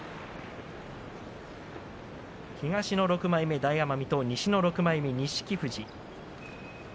東の６枚目大奄美と西の６枚目錦富士。